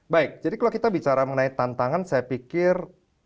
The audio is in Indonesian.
baik jadi kalau kita bicara mengenai tantangan saya pikir